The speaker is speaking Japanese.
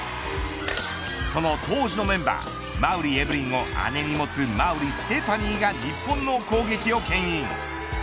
その当時のメンバー馬瓜エブリンを姉に持つ馬瓜ステファニーが日本の攻撃をけん引。